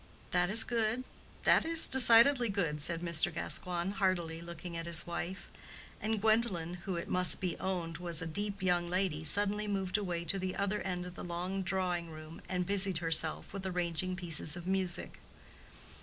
"That is good—that is decidedly good," said Mr. Gascoigne, heartily, looking at his wife. And Gwendolen, who, it must be owned, was a deep young lady, suddenly moved away to the other end of the long drawing room, and busied herself with arranging pieces of music.